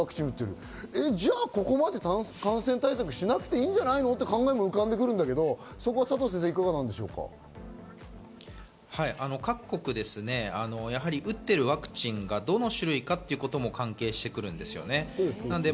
じゃあ、ここまで感染対策をしなくていいんじゃないの？っていう考えも浮かんで各国打っているワクチンがどの種類かっていうことも関係してくるんですよね。